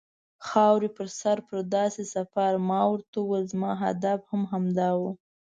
خاورې په سر پر داسې سفر، ما ورته وویل: زما هدف هم همدا و.